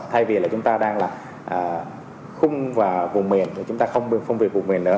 thay vì là chúng ta đang là khung vào vùng miền chúng ta không bị phung việc vùng miền nữa